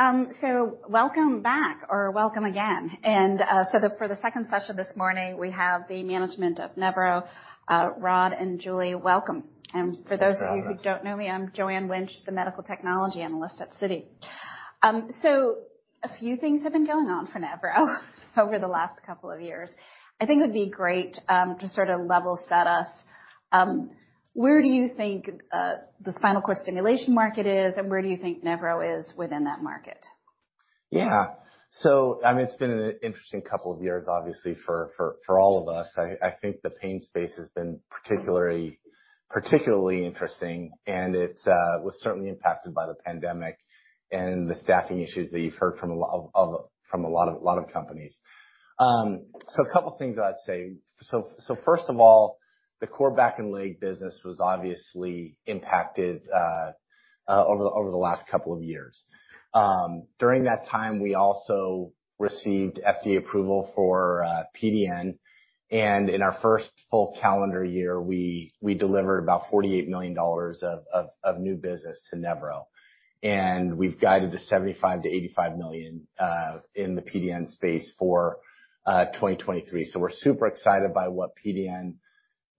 Welcome back or welcome again. For the second session this morning, we have the management of Nevro. Rod and Julie, welcome. Thanks for having us. For those of you who don't know me, I'm Joanne Wuensch, the medical technology analyst at Citi. A few things have been going on for Nevro over the last couple of years. I think it would be great to sort of level set us. Where do you think the spinal cord stimulation market is, and where do you think Nevro is within that market? I mean, it's been an interesting couple of years, obviously for all of us. I think the pain space has been particularly interesting, and it was certainly impacted by the pandemic and the staffing issues that you've heard from a lot of companies. A couple of things that I'd say. First of all, the core back and leg business was obviously impacted over the last couple of years. During that time, we also received FDA approval for PDN. In our first full calendar year, we delivered about $48 million of new business to Nevro. We've guided to $75 million-$85 million in the PDN space for 2023. We're super excited by what PDN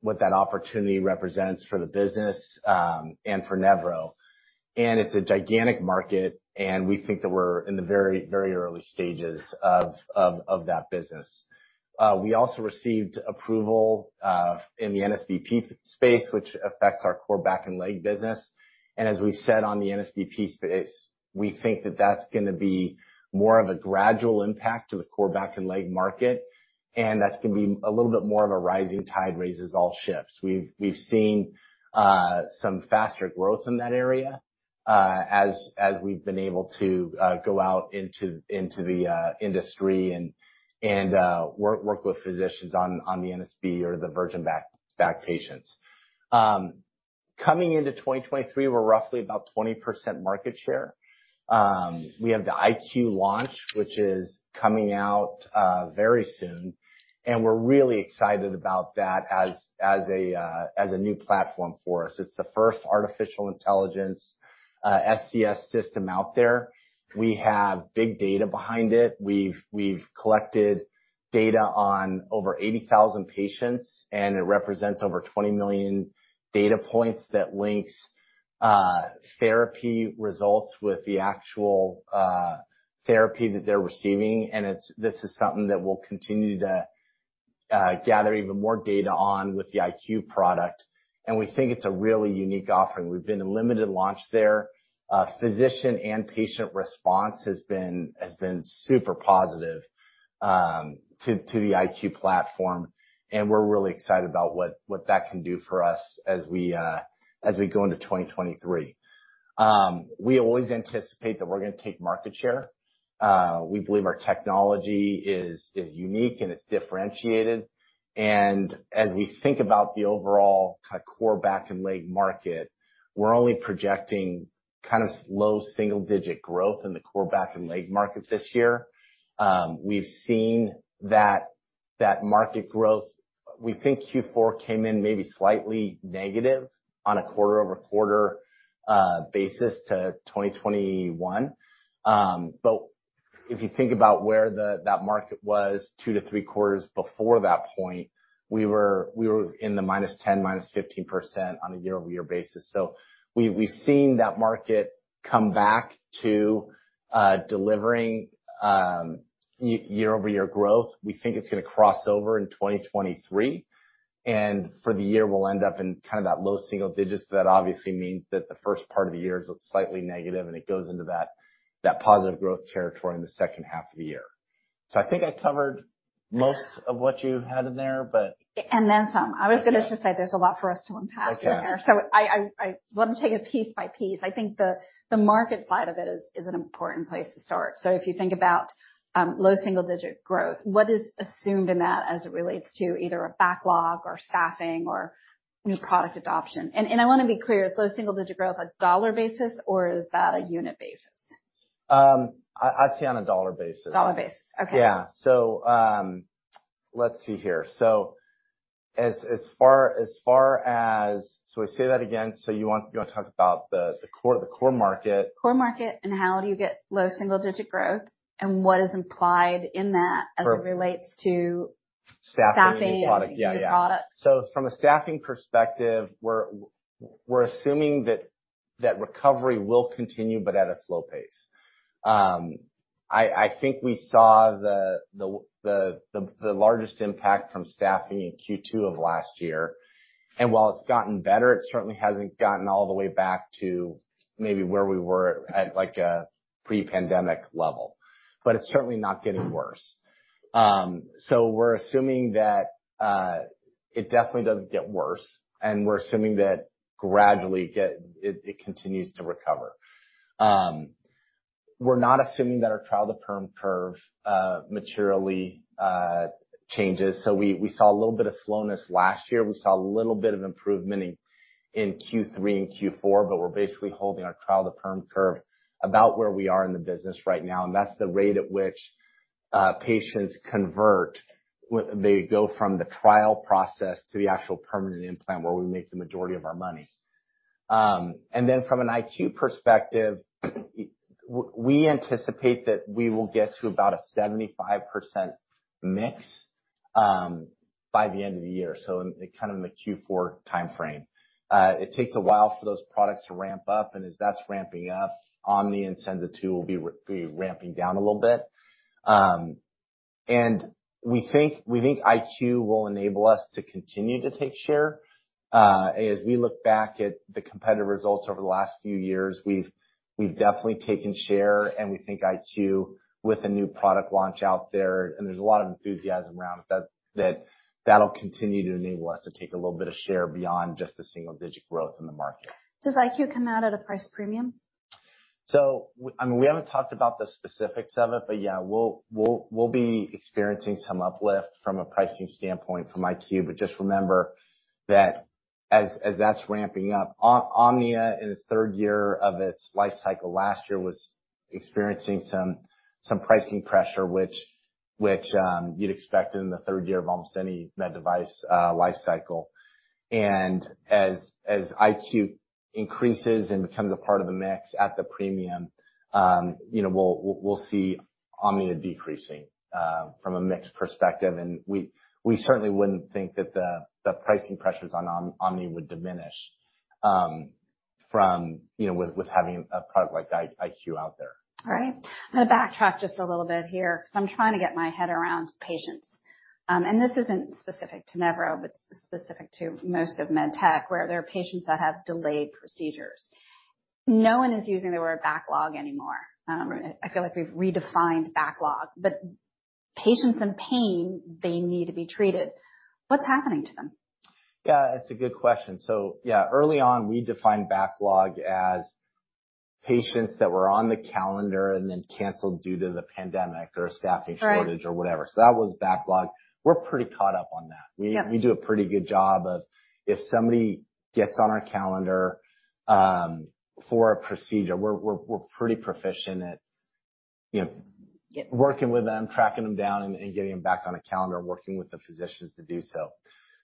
what that opportunity represents for the business and for Nevro. It's a gigantic market, and we think that we're in the very, very early stages of that business. We also received approval in the NSRBP space, which affects our core back and leg business. As we said on the NSRBP space, we think that that's gonna be more of a gradual impact to the core back and leg market, and that's gonna be a little bit more of a rising tide raises all ships. We've seen some faster growth in that area as we've been able to go out into the industry and work with physicians on the NSB or the virgin back patients. Coming into 2023, we're roughly about 20% market share. We have the IQ launch, which is coming out very soon, and we're really excited about that as a new platform for us. It's the first artificial intelligence SCS system out there. We have big data behind it. We've collected data on over 80,000 patients, and it represents over 20 million data points that links therapy results with the actual therapy that they're receiving. This is something that we'll continue to gather even more data on with the IQ product, and we think it's a really unique offering. We've been in limited launch there. Physician and patient response has been super positive to the iQ platform, and we're really excited about what that can do for us as we go into 2023. We always anticipate that we're gonna take market share. We believe our technology is unique and it's differentiated. As we think about the overall core back and leg market, we're only projecting kind of slow single-digit growth in the core back and leg market this year. We've seen that market growth. We think Q4 came in maybe slightly negative on a quarter-over-quarter basis to 2021. If you think about where that market was two to three quarters before that point, we were in the -10%, -15% on a year-over-year basis. We've seen that market come back to delivering year-over-year growth. We think it's gonna cross over in 2023, and for the year, we'll end up in kind of that low single digits. That obviously means that the first part of the year is slightly negative, and it goes into that positive growth territory in the second half of the year. I think I covered most of what you had in there, but... Then some. Yeah. I was gonna just say there's a lot for us to unpack in there. Okay. I want to take it piece by piece. I think the market side of it is an important place to start. If you think about low single digit growth, what is assumed in that as it relates to either a backlog or staffing or new product adoption? I wanna be clear, is low single digit growth a dollar basis, or is that a unit basis? I'd say on a dollar basis. Dollar basis. Okay. Yeah. let's see here. I say that again. you want to talk about the core market. Core market, how do you get low single-digit growth, and what is implied in that? Perfect. -as it relates to staffing- Staffing and new product. Yeah, yeah. New products. From a staffing perspective, we're assuming that that recovery will continue, but at a slow pace. I think we saw the largest impact from staffing in Q2 of last year, and while it's gotten better, it certainly hasn't gotten all the way back to maybe where we were at, like a pre-pandemic level. It's certainly not getting worse. We're assuming that it definitely doesn't get worse, and we're assuming that gradually it continues to recover. We're not assuming that our trial to perm curve materially changes. We saw a little bit of slowness last year. We saw a little bit of improvement in Q3 and Q4, but we're basically holding our trial to perm curve about where we are in the business right now, and that's the rate at which patients convert they go from the trial process to the actual permanent implant where we make the majority of our money. From an IQ perspective, we anticipate that we will get to about a 75% mix by the end of the year, so kind of in the Q4 timeframe. It takes a while for those products to ramp up, and as that's ramping up, Omnia and Senza II will be ramping down a little bit. We think IQ will enable us to continue to take share. As we look back at the competitive results over the last few years, we've definitely taken share, and we think iQ with a new product launch out there, and there's a lot of enthusiasm around it, that'll continue to enable us to take a little bit of share beyond just the single-digit growth in the market. Does IQ come out at a price premium? I mean, we haven't talked about the specifics of it, but yeah, we'll be experiencing some uplift from a pricing standpoint from IQ. Just remember that as that's ramping up, Omnia, in its third year of its life cycle last year, was experiencing some pricing pressure, which you'd expect in the third year of almost any med device life cycle. As IQ increases and becomes a part of the mix at the premium, you know, we'll see Omnia decreasing from a mix perspective. We certainly wouldn't think that the pricing pressures on Omnia would diminish from, you know, with having a product like IQ out there. All right. I'm gonna backtrack just a little bit here 'cause I'm trying to get my head around patients. This isn't specific to Nevro, but specific to most of med tech, where there are patients that have delayed procedures. No one is using the word backlog anymore. I feel like we've redefined backlog, but patients in pain, they need to be treated. What's happening to them? Yeah, that's a good question. Yeah, early on, we defined backlog as patients that were on the calendar and then canceled due to the pandemic or a staffing-. Right. -shortage or whatever. That was backlog. We're pretty caught up on that. Yeah. We do a pretty good job of, if somebody gets on our calendar, for a procedure, we're pretty proficient at, you know. Yeah. working with them, tracking them down and getting them back on the calendar, working with the physicians to do so.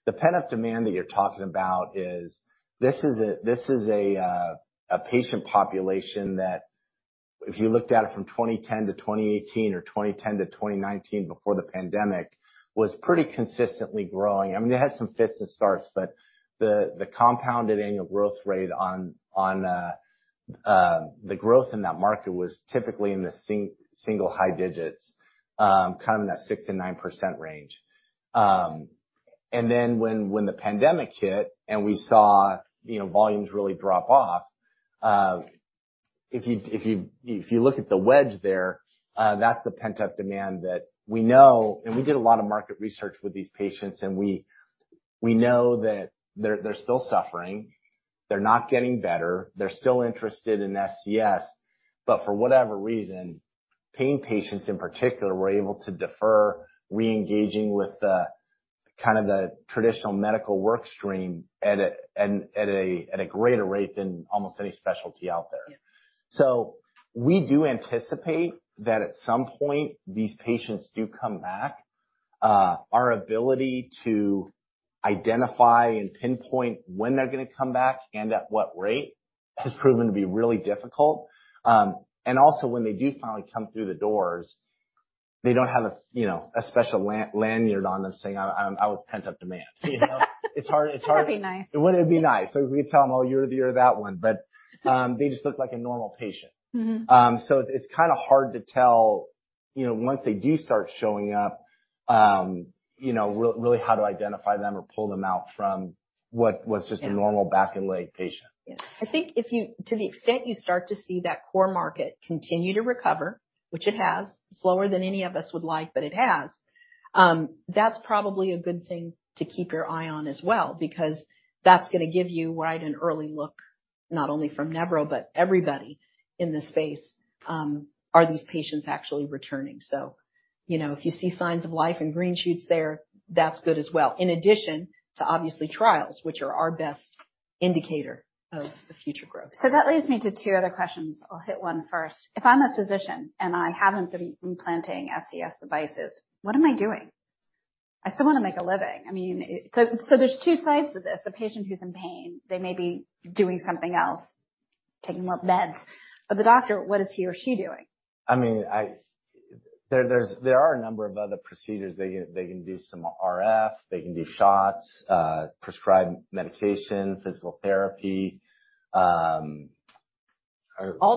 The pent-up demand that you're talking about is. This is a patient population that if you looked at it from 2010 to 2018 or 2010 to 2019 before the pandemic, was pretty consistently growing. I mean, it had some fits and starts, but the compounded annual growth rate on the growth in that market was typically in the single high digits, kind of in that 6%-9% range. When the pandemic hit and we saw, you know, volumes really drop off, if you look at the wedge there, that's the pent-up demand that we know. We did a lot of market research with these patients, and we know that they're still suffering. They're not getting better. They're still interested in SCS, but for whatever reason, pain patients in particular were able to defer re-engaging with the kind of the traditional medical work stream at a greater rate than almost any specialty out there. Yeah. We do anticipate that at some point these patients do come back. Our ability to identify and pinpoint when they're gonna come back and at what rate has proven to be really difficult. And also when they do finally come through the doors, they don't have a, you know, a special lanyard on them saying, "I'm, I was pent-up demand," you know? It's hard. Wouldn't it be nice? Wouldn't it be nice if we tell them, "Oh, you're the or that one." They just look like a normal patient. Mm-hmm. It's kinda hard to tell, you know, once they do start showing up, you know, really how to identify them or pull them out from what was just. Yeah. a normal back and leg patient. Yes. I think if you to the extent you start to see that core market continue to recover, which it has, slower than any of us would like, but it has, that's probably a good thing to keep your eye on as well, because that's gonna give you, right, an early look, not only from Nevro, but everybody in this space, are these patients actually returning? You know, if you see signs of life and green shoots there, that's good as well. In addition to obviously trials, which are our best indicator of the future growth. That leads me to two other questions. I'll hit one first. If I'm a physician, and I haven't been implanting SCS devices, what am I doing? I still wanna make a living. I mean, there's two sides to this. The patient who's in pain, they may be doing something else, taking more meds. The doctor, what is he or she doing? I mean, there are a number of other procedures. They can do some RF. They can do shots, prescribe medication, physical therapy. All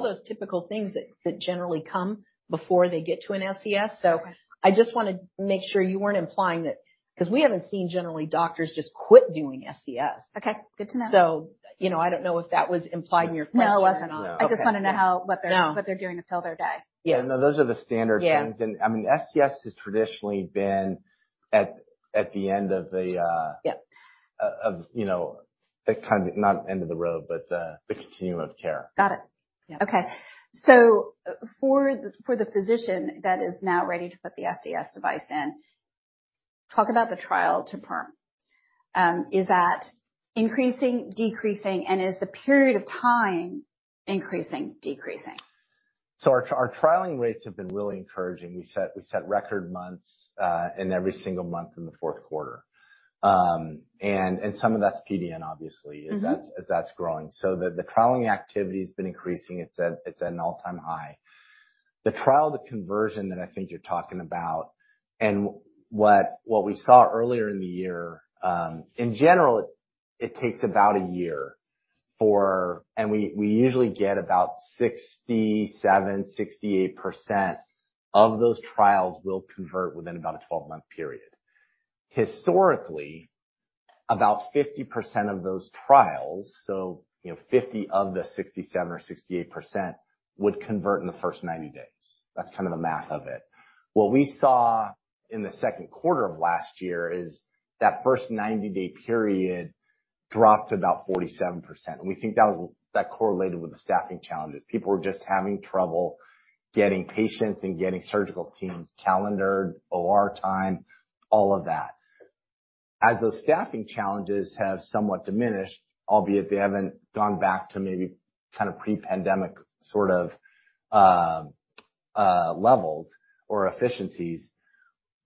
those typical things that generally come before they get to an SCS. Okay. I just wanna make sure you weren't implying that. 'Cause we haven't seen generally doctors just quit doing SCS. Okay. Good to know. you know, I don't know if that was implied in your question or not. No, it wasn't on... No. I just wanna know how- No. what they're doing until their day. Yeah, no, those are the standard things. Yeah. I mean, SCS has traditionally been at the end of the. Yeah. Of, you know, the kind of, not end of the road, but the continuum of care. Got it. Yeah. For the physician that is now ready to put the SCS device in. Talk about the trial to perm. Is that increasing, decreasing, and is the period of time increasing, decreasing? Our trialing rates have been really encouraging. We set record months, in every single month in the fourth quarter. And some of that's PDN. Mm-hmm As that's growing. The trialing activity has been increasing. It's at an all-time high. The trial to conversion that I think you're talking about and what we saw earlier in the year, in general, it takes about one year for and we usually get about 67%, 68% of those trials will convert within about a 12-month period. Historically, about 50% of those trials, so you know, 50% of the 67% or 68% would convert in the first 90 days. That's kind of the math of it. What we saw in the second quarter of last year is that first 90-day period dropped to about 47%. We think that correlated with the staffing challenges. People were just having trouble getting patients and getting surgical teams calendared OR time, all of that. As those staffing challenges have somewhat diminished, albeit they haven't gone back to maybe kind of pre-pandemic sort of, levels or efficiencies,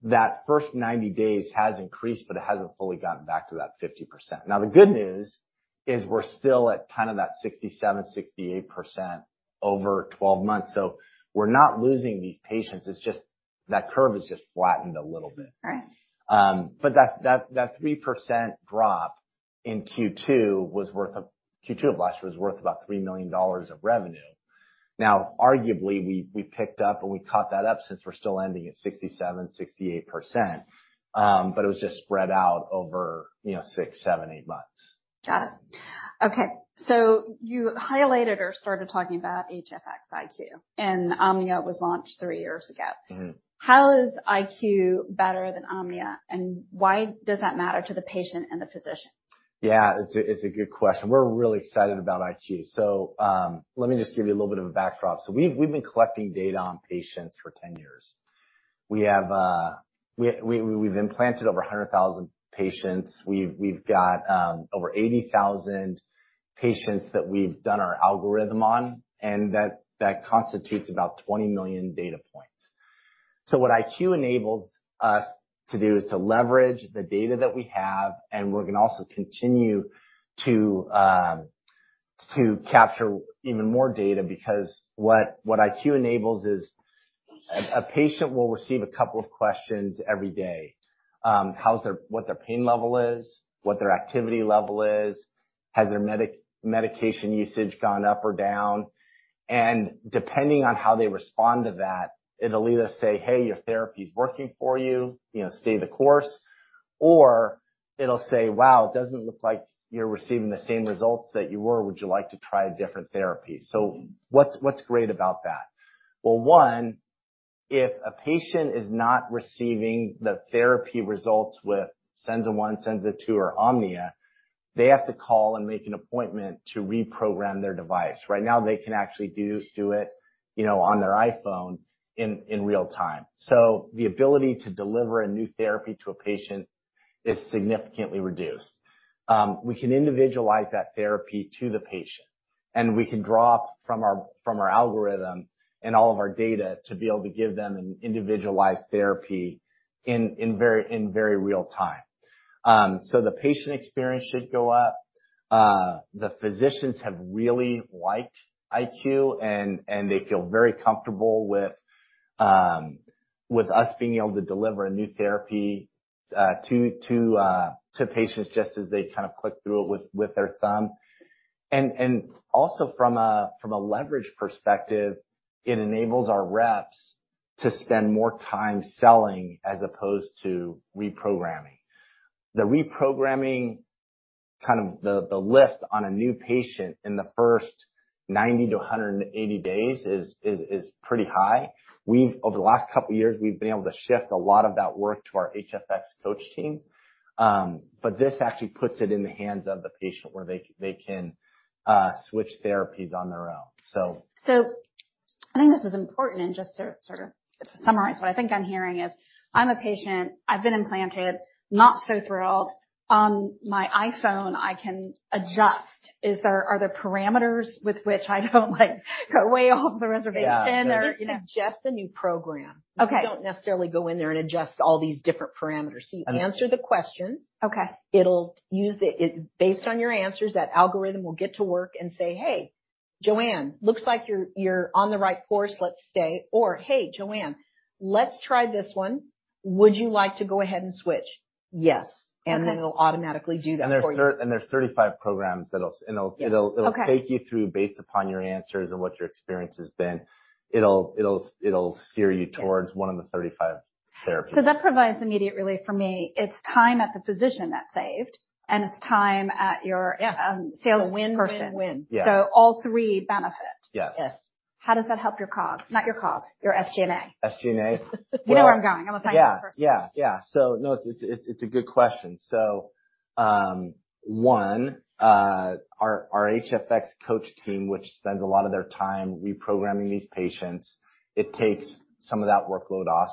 that first 90 days has increased, but it hasn't fully gotten back to that 50%. The good news is we're still at kind of that 67%, 68% over 12 months. We're not losing these patients. It's just that curve has just flattened a little bit. Right. That 3% drop in Q2 Q2 of last year was worth about $3 million of revenue. Arguably, we picked up and we caught that up since we're still ending at 67%, 68%, it was just spread out over, you know, 6, 7, 8 months. Got it. Okay. You highlighted or started talking about HFX iQ, and Omnia was launched three years ago. Mm-hmm. How is IQ better than Omnia, and why does that matter to the patient and the physician? Yeah, it's a, it's a good question. We're really excited about IQ. Let me just give you a little bit of a backdrop. We've been collecting data on patients for 10 years. We have, we've implanted over 100,000 patients. We've got over 80,000 patients that we've done our algorithm on, and that constitutes about 20 million data points. What IQ enables us to do is to leverage the data that we have, and we're gonna also continue to capture even more data because what IQ enables is a patient will receive a couple of questions every day. What their pain level is, what their activity level is, has their medication usage gone up or down? Depending on how they respond to that, it'll either say, "Hey, your therapy is working for you know, stay the course," or it'll say, "Wow, it doesn't look like you're receiving the same results that you were. Would you like to try a different therapy?" What's great about that? Well, one, if a patient is not receiving the therapy results with Senza 1, Senza 2 or Omnia, they have to call and make an appointment to reprogram their device. Right now, they can actually do it, you know, on their iPhone in real time. The ability to deliver a new therapy to a patient is significantly reduced. We can individualize that therapy to the patient, and we can draw from our algorithm and all of our data to be able to give them an individualized therapy in very real time. The patient experience should go up. The physicians have really liked HFX iQ and they feel very comfortable with us being able to deliver a new therapy to patients just as they kind of click through it with their thumb. Also from a leverage perspective, it enables our reps to spend more time selling as opposed to reprogramming. The reprogramming, kind of the lift on a new patient in the first 90 to 180 days is pretty high. Over the last couple of years, we've been able to shift a lot of that work to our HFX Coach team. This actually puts it in the hands of the patient where they can switch therapies on their own. I think this is important, and just to sort of summarize, what I think I'm hearing is, I'm a patient, I've been implanted, not so thrilled. On my iPhone, I can adjust. Are there parameters with which I don't like go way off the reservation or, you know? Yeah. They suggest a new program. Okay. You don't necessarily go in there and adjust all these different parameters. Okay. You answer the questions. Okay. It'll use based on your answers, that algorithm will get to work and say, "Hey, Joanne, looks like you're on the right course. Let's stay." Or, "Hey, Joanne, let's try this one. Would you like to go ahead and switch?" "Yes. Okay. It'll automatically do that for you. There's 35 programs. Yes. It'll, it'll- Okay. It'll take you through based upon your answers and what your experience has been. It'll steer you towards one of the 35 therapies. That provides immediate relief for me. It's time at the physician that's saved, and it's time at your- Yeah. sales person. It's a win-win-win. Yeah. All three benefit. Yes. Yes. How does that help your COGS? Not your COGS, your SG&A. SG&A? You know where I'm going. I'm gonna tell you first. Yeah. Yeah, yeah. No, it's a good question. One, our HFX Coach team, which spends a lot of their time reprogramming these patients, it takes some of that workload off.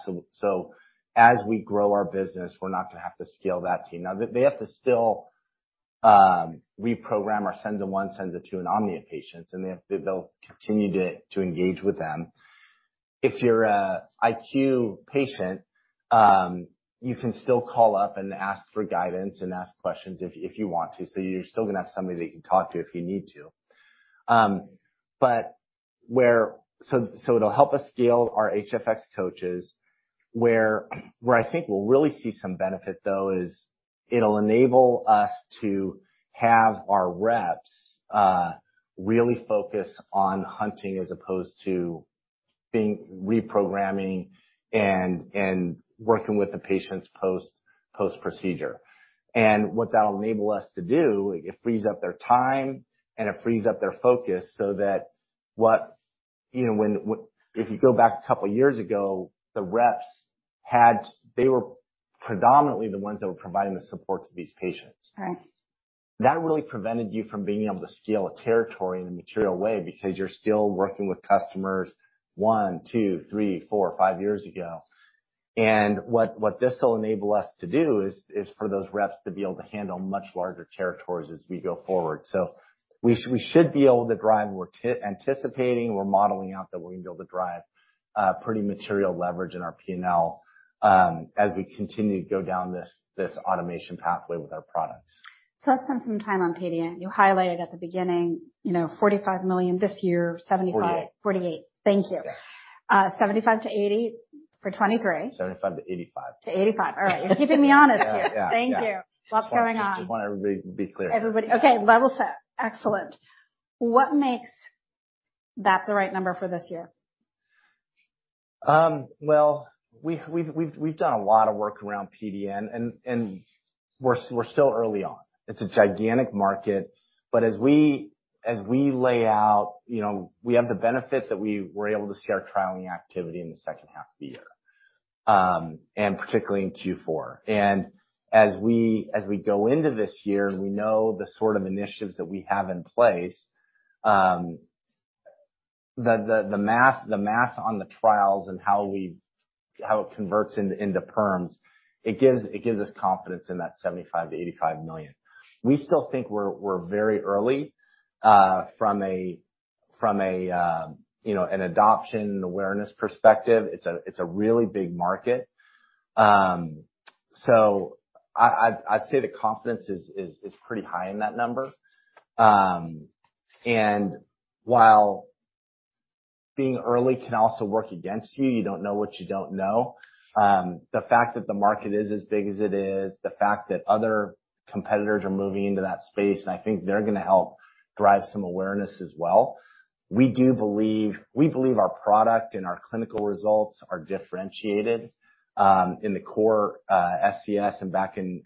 As we grow our business, we're not gonna have to scale that team. Now, they have to still reprogram our Senza II and Omnia patients, and they'll continue to engage with them. If you're a HFX iQ patient, you can still call up and ask for guidance and ask questions if you want to. You're still gonna have somebody that you can talk to if you need to. It'll help us scale our HFX Coaches. Where I think we'll really see some benefit, though, is it'll enable us to have our reps really focus on hunting as opposed to being reprogramming and working with the patients post-procedure. What that'll enable us to do, it frees up their time, and it frees up their focus so that. You know, when if you go back a couple years ago, the reps had. They were predominantly the ones that were providing the support to these patients. Right. That really prevented you from being able to scale a territory in a material way because you're still working with customers one, two, three, four, five years ago. What this will enable us to do is for those reps to be able to handle much larger territories as we go forward. We should be able to drive. We're anticipating, we're modeling out that we're gonna be able to drive pretty material leverage in our P&L as we continue to go down this automation pathway with our products. let's spend some time on PDN. You highlighted at the beginning, you know, $45 million this year, $75- $48 million. $48 million. Thank you. Yeah. Uh, $75 million-$80 million for 2023. $75 million-$85 million. To $85 million. All right. You're keeping me honest here. Yeah. Yeah. Thank you. What's going on? Just want everybody to be clear. Everybody. Okay. Level set. Excellent. What makes that the right number for this year? Well, we've done a lot of work around PDN, and we're still early on. It's a gigantic market. As we lay out, you know, we have the benefit that we were able to see our trialing activity in the second half of the year, and particularly in Q4. As we go into this year, and we know the sort of initiatives that we have in place, the math on the trials and how it converts into perms, it gives us confidence in that $75 million-$85 million. We still think we're very early from a, you know, an adoption awareness perspective. It's a really big market. I'd say the confidence is pretty high in that number. While being early can also work against you don't know what you don't know. The fact that the market is as big as it is, the fact that other competitors are moving into that space, and I think they're gonna help drive some awareness as well. We believe our product and our clinical results are differentiated in the core SCS and back and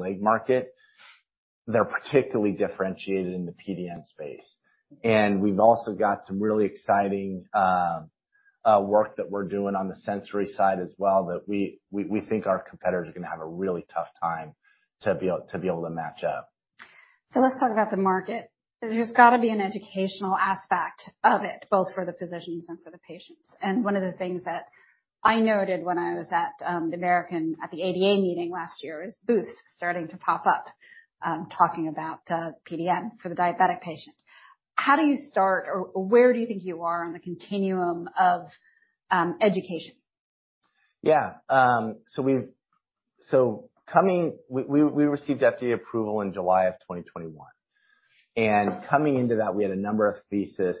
leg market. They're particularly differentiated in the PDN space. We've also got some really exciting work that we're doing on the sensory side as well, that we think our competitors are gonna have a really tough time to be able to match up. Let's talk about the market. There's gotta be an educational aspect of it, both for the physicians and for the patients. One of the things that I noted when I was at the ADA meeting last year, is booths starting to pop up, talking about PDN for the diabetic patient. How do you start or where do you think you are on the continuum of education? Yeah. We received FDA approval in July of 2021. Coming into that, we had a number of thesis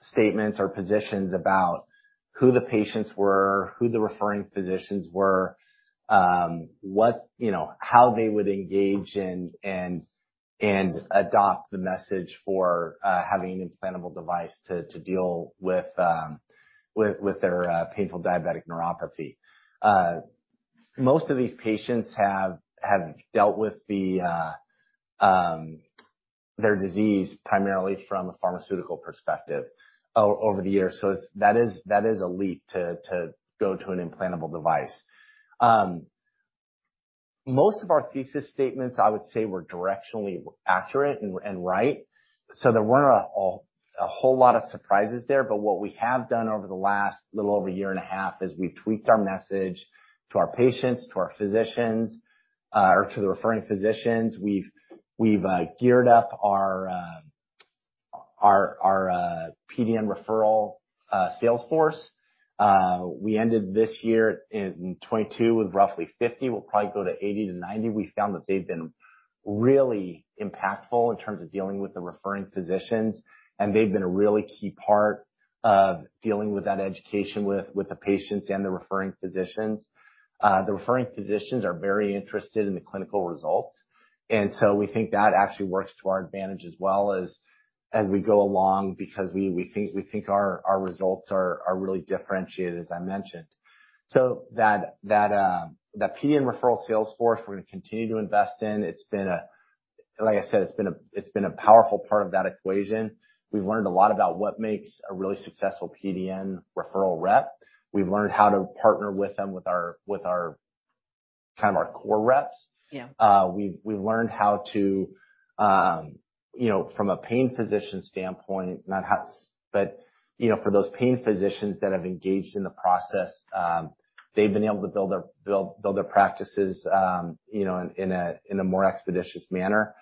statements or positions about who the patients were, who the referring physicians were, what, you know, how they would engage and adopt the message for having an implantable device to deal with their painful diabetic neuropathy. Most of these patients have dealt with their disease primarily from a pharmaceutical perspective over the years. That is a leap to go to an implantable device. Most of our thesis statements, I would say, were directionally accurate and right. There weren't a whole lot of surprises there. What we have done over the last little over a year and a half is we've tweaked our message to our patients, to our physicians, or to the referring physicians. We've geared up our PDN referral sales force. We ended this year in 22 with roughly 50. We'll probably go to 80 to 90. We found that they've been really impactful in terms of dealing with the referring physicians, and they've been a really key part of dealing with that education with the patients and the referring physicians. The referring physicians are very interested in the clinical results. We think that actually works to our advantage as well as we go along, because we think our results are really differentiated, as I mentioned. That PDN referral sales force, we're gonna continue to invest in. Like I said, it's been a powerful part of that equation. We've learned a lot about what makes a really successful PDN referral rep. We've learned how to partner with them with our, with our, kind of our core reps. Yeah. We've learned how to, you know, from a pain physician standpoint, you know, for those pain physicians that have engaged in the process, they've been able to build their practices, you know, in a more expeditious manner.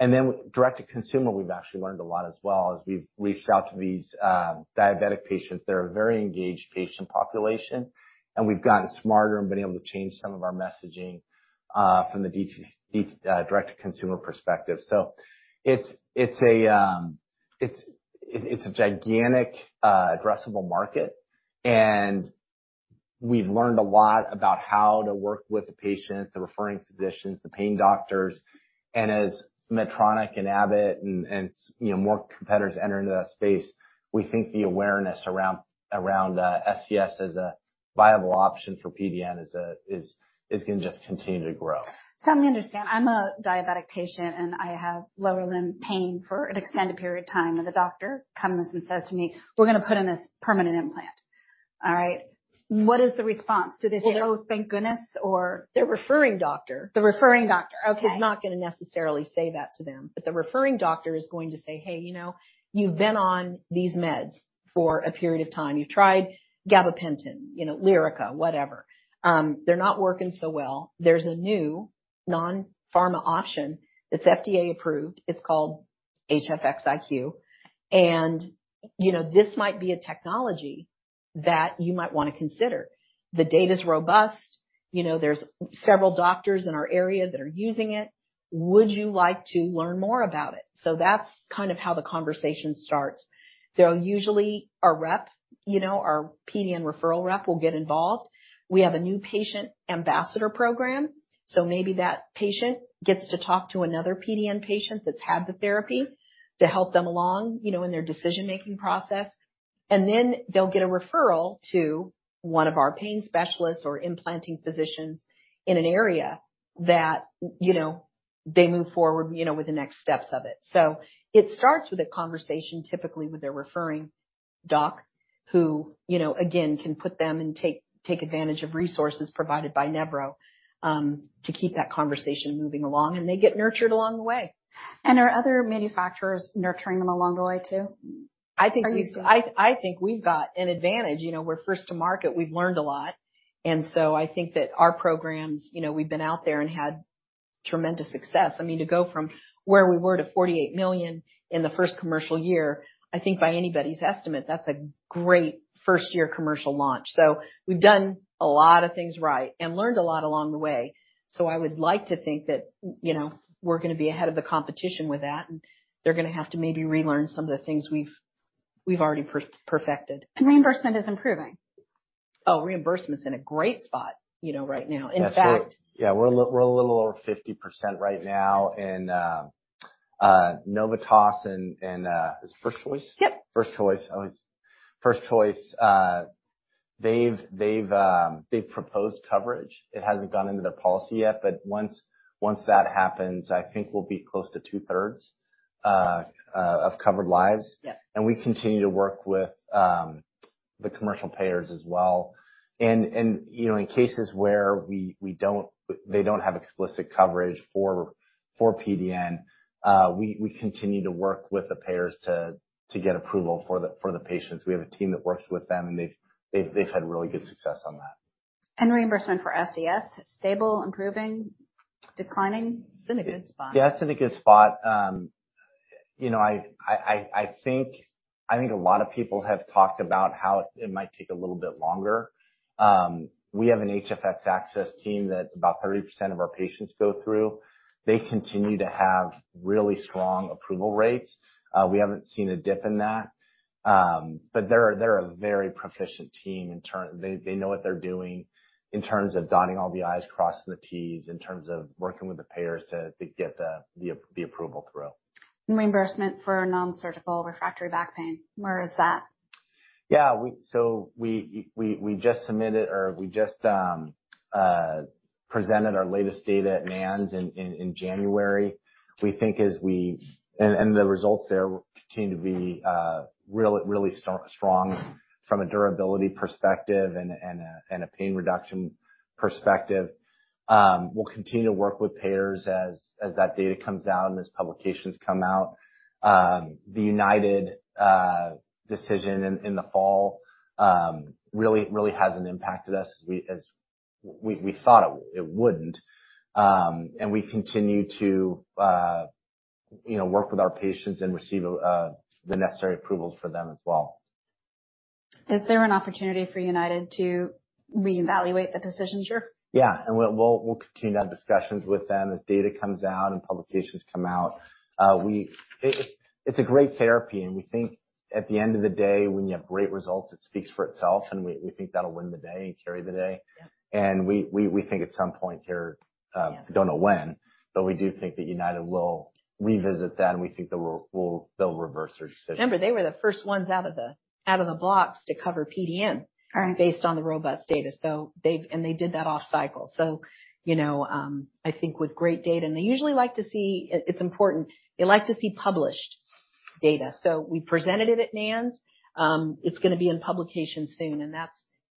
Direct to consumer, we've actually learned a lot as well as we've reached out to these diabetic patients. They're a very engaged patient population, and we've gotten smarter and been able to change some of our messaging from the direct to consumer perspective. It's a gigantic addressable market. We've learned a lot about how to work with the patient, the referring physicians, the pain doctors. As Medtronic and Abbott and, you know, more competitors enter into that space, we think the awareness around SCS as a viable option for PDN is gonna just continue to grow. Help me understand. I'm a diabetic patient, and I have lower limb pain for an extended period of time, and the doctor comes and says to me, "We're gonna put in this permanent implant." All right? What is the response? Do they say, "Oh, thank goodness," or... The referring doctor. The referring doctor. Okay. The referring doctor is going to say, "Hey, you know, you've been on these meds for a period of time. You've tried gabapentin, you know, Lyrica, whatever. They're not working so well. There's a new non-pharma option that's FDA approved. It's called HFX iQ. You know, this might be a technology that you might wanna consider. The data's robust. You know, there's several doctors in our area that are using it. Would you like to learn more about it?" That's kind of how the conversation starts. They'll usually our rep, you know, our PDN referral rep will get involved. We have a new patient ambassador program, maybe that patient gets to talk to another PDN patient that's had the therapy to help them along, you know, in their decision-making process. Then they'll get a referral to one of our pain specialists or implanting physicians in an area that, you know, they move forward, you know, with the next steps of it. It starts with a conversation, typically with their referring doc, who, you know, again, can put them and take advantage of resources provided by Nevro, to keep that conversation moving along, and they get nurtured along the way. Are other manufacturers nurturing them along the way too? I think we've- Are you still? I think we've got an advantage. You know, we're first to market. We've learned a lot. I think that our programs, you know, we've been out there and had tremendous success. I mean, to go from where we were to $48 million in the first commercial year, I think by anybody's estimate, that's a great first-year commercial launch. We've done a lot of things right and learned a lot along the way. I would like to think that, you know, we're gonna be ahead of the competition with that, and they're gonna have to maybe relearn some of the things we've already perfected. Reimbursement is improving. Oh, reimbursement's in a great spot, you know, right now. Yes. In fact- Yeah, we're a little over 50% right now in Novitas and is First Coast? Yep. First Choice. Oh, it's First Choice. They've proposed coverage. It hasn't gone into the policy yet, but once that happens, I think we'll be close to two-thirds of covered lives. Yep. We continue to work with the commercial payers as well. You know, in cases where they don't have explicit coverage for PDN, we continue to work with the payers to get approval for the patients. We have a team that works with them, and they've had really good success on that. Reimbursement for SCS, stable, improving, declining? It's in a good spot. Yeah, it's in a good spot. You know, I think a lot of people have talked about how it might take a little bit longer. We have an HFX Access team that about 30% of our patients go through. They continue to have really strong approval rates. We haven't seen a dip in that. But they're a very proficient team. They know what they're doing in terms of dotting all the I's, crossing the T's, in terms of working with the payers to get the approval through. Reimbursement for Non-Surgical Refractory Back Pain, where is that? Yeah, we just submitted or we just presented our latest data at NANS in January. We think as we the results there continue to be really strong from a durability perspective and a pain reduction perspective. We'll continue to work with payers as that data comes out and as publications come out. The UnitedHealthcare decision in the fall really hasn't impacted us as we thought it wouldn't. We continue to, you know, work with our patients and receive the necessary approvals for them as well. Is there an opportunity for UnitedHealthcare to reevaluate the decision here? Yeah. we'll continue to have discussions with them as data comes out and publications come out. It's a great therapy, and we think at the end of the day, when you have great results, it speaks for itself, and we think that'll win the day and carry the day. Yeah. We think at some point here. Yeah. We don't know when, but we do think that UnitedHealthcare will revisit that, and we think that they'll reverse their decision. Remember, they were the first ones out of the, out of the blocks to cover PDN. Right. Based on the robust data. They did that off cycle. You know, I think with great data, and they usually like to see. It's important. They like to see published data. We presented it at NANS. It's gonna be in publication soon, and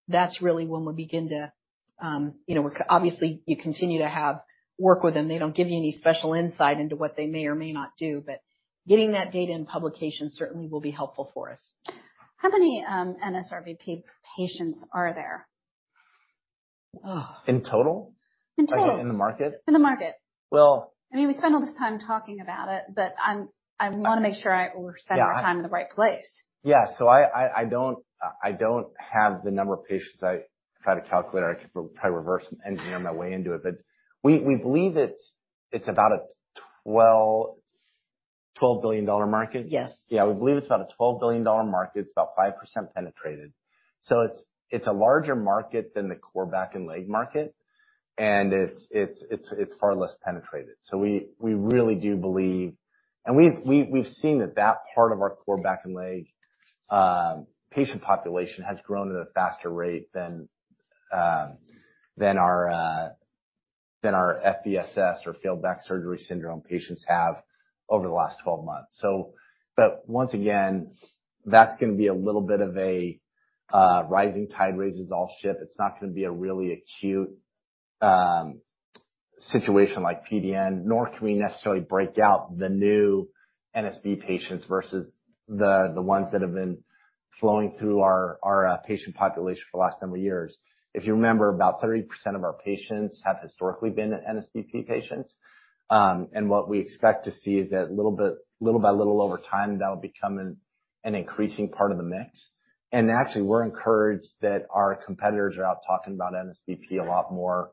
that's really when we begin to, you know, obviously you continue to have work with them. They don't give you any special insight into what they may or may not do, but getting that data in publication certainly will be helpful for us. How many, NSRBP patients are there? Ugh. In total? In total. Like, in the market? In the market. Well- I mean, we spend all this time talking about it, but I wanna make sure. Yeah. our time in the right place. Yeah. I don't have the number of patients. I tried to calculate. I try to reverse engineer my way into it, but we believe it's about a $12 billion market. Yes. We believe it's about a $12 billion market. It's about 5% penetrated. It's a larger market than the core back and leg market, and it's far less penetrated. We really do believe. We've seen that that part of our core back and leg patient population has grown at a faster rate than our FBSS or Failed Back Surgery Syndrome patients have over the last 12 months. Once again, that's gonna be a little bit of a rising tide raises all ship. It's not gonna be a really acute situation like PDN, nor can we necessarily break out the new NSB patients versus the ones that have been flowing through our patient population for the last number of years. If you remember, about 30% of our patients have historically been NSBP patients. What we expect to see is that little bit, little by little over time, that'll become an increasing part of the mix. Actually, we're encouraged that our competitors are out talking about NSBP a lot more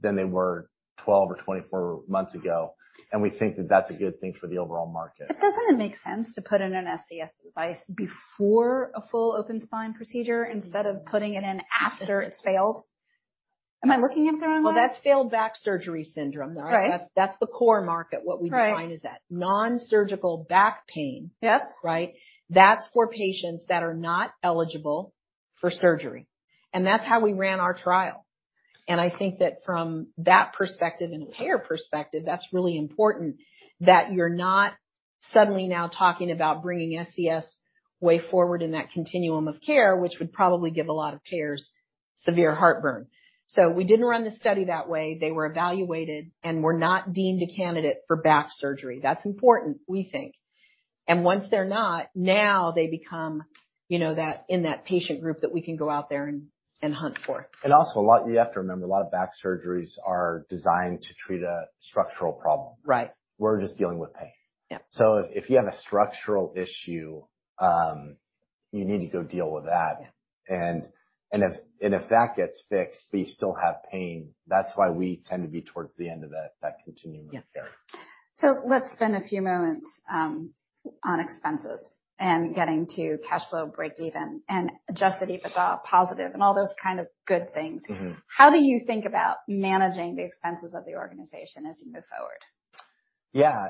than they were 12 or 24 months ago. We think that that's a good thing for the overall market. Doesn't it make sense to put in an SCS device before a full open spine procedure instead of putting it in after it's failed? Am I looking at the wrong model? Well, that's Failed Back Surgery Syndrome. Right. That's the core market. Right. What we define is that nonsurgical back pain. Yep. Right? That's for patients that are not eligible for surgery. That's how we ran our trial. I think that from that perspective and a payer perspective, that's really important that you're not suddenly now talking about bringing SCS way forward in that continuum of care, which would probably give a lot of payers severe heartburn. We didn't run the study that way. They were evaluated and were not deemed a candidate for back surgery. That's important, we think. Once they're not, now they become, you know, in that patient group that we can go out there and hunt for. Also you have to remember, a lot of back surgeries are designed to treat a structural problem. Right. We're just dealing with pain. Yeah. if you have a structural issue, you need to go deal with that. Yeah. If that gets fixed, but you still have pain, that's why we tend to be towards the end of that continuum of care. Yeah. let's spend a few moments on expenses and getting to cash flow, break even and adjusted EBITDA positive and all those kind of good things. Mm-hmm. How do you think about managing the expenses of the organization as you move forward? Yeah.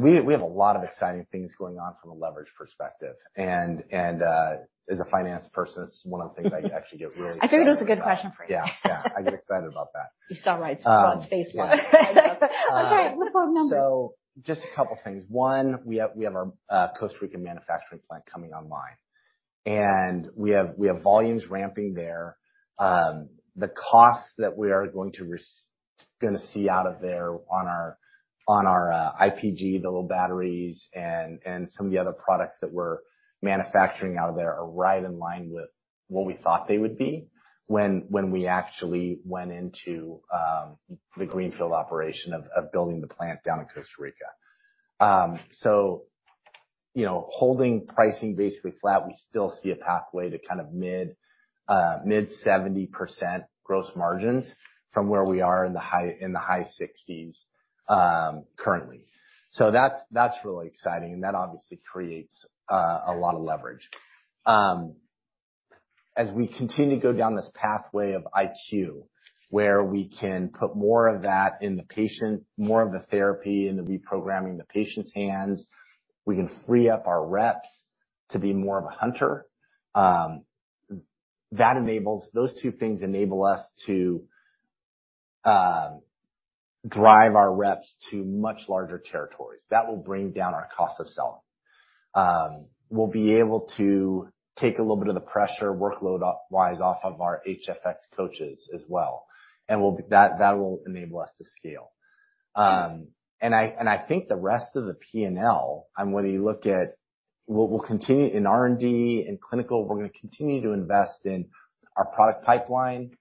We have a lot of exciting things going on from a leverage perspective. As a finance person, it's one of the things I actually get really excited about. I figured it was a good question for you. Yeah. Yeah. I get excited about that. You saw right to Rod's face. Okay. What's our number? Just a couple things. One, we have our Costa Rican manufacturing plant coming online. We have volumes ramping there. The cost that we are gonna see out of there on our IPG, the little batteries and some of the other products that we're manufacturing out of there are right in line with what we thought they would be when we actually went into the greenfield operation of building the plant down in Costa Rica. You know, holding pricing basically flat, we still see a pathway to kind of mid 70% gross margins from where we are in the high 60s currently. That's really exciting, and that obviously creates a lot of leverage. As we continue to go down this pathway of iQ, where we can put more of that in the patient, more of the therapy in the reprogramming the patient's hands, we can free up our reps to be more of a hunter. Those two things enable us to drive our reps to much larger territories. That will bring down our cost of selling. We'll be able to take a little bit of the pressure workload wise off of our HFX coaches as well. That will enable us to scale. I think the rest of the P&L and whether you look at what we'll continue in R&D and clinical, we're gonna continue to invest in our product pipeline,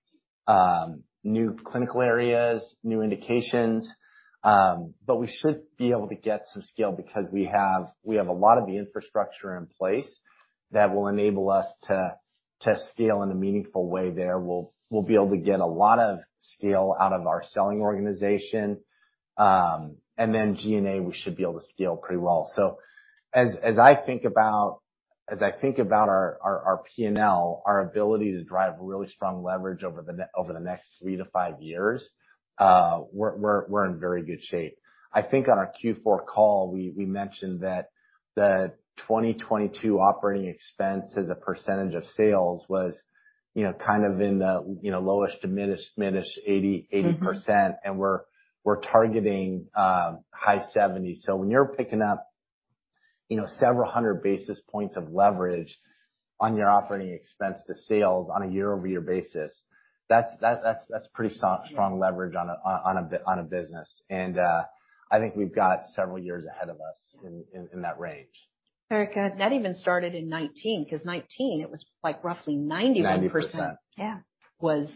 new clinical areas, new indications. We should be able to get some scale because we have a lot of the infrastructure in place that will enable us to scale in a meaningful way there. We'll be able to get a lot of scale out of our selling organization. G&A, we should be able to scale pretty well. As I think about our P&L, our ability to drive really strong leverage over the next 3-5 years, we're in very good shape. I think on our Q4 call, we mentioned that the 2022 operating expense as a % of sales was, you know, kind of in the, you know, lowest to midish 80%. Mm-hmm. We're targeting high seventies. When you're picking up, you know, several hundred basis points of leverage on your operating expense to sales on a year-over-year basis, that's pretty. Yeah. strong leverage on a business. I think we've got several years ahead of us. Yeah. in that range. Very good. That even started in 2019, 'cause 2019 it was like roughly 91%. 90%. Yeah.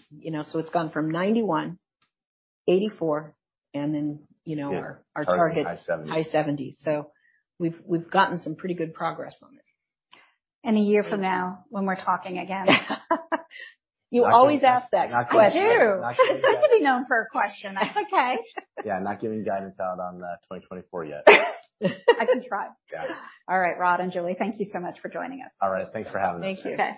You know, it's gone from 91, 84, and then, you know. Yeah. Our target- High 70s. High seventies. We've gotten some pretty good progress on it. A year from now, when we're talking again. You always ask that question. Not giving- I do. Not giving- It's good to be known for a question. Okay. Yeah, not giving guidance out on 2024 yet. I can try. Yeah. All right, Rod and Julie, thank you so much for joining us. All right. Thanks for having us. Thank you. Okay.